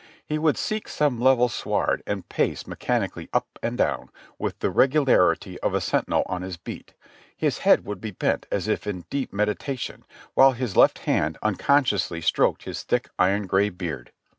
He would seek some level sward and pace mechanically up and down with the regularity of a sen tinel on his beat ; his head would be bent as if in deep meditation while his left hand unconsciously stroked his thick iron gray THE ADVANCE 23 I beard.